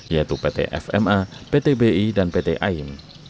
yaitu pt fma pt bi dan pt aim